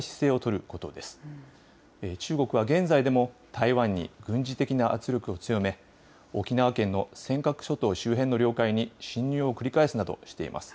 中国は現在でも台湾に軍事的な圧力を強め、沖縄県の尖閣諸島周辺の領海に侵入を繰り返すなどしています。